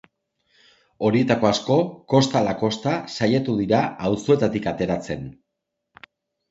Horietako asko kosta ahala kosta saiatuko dira auzoetatik ateratzen.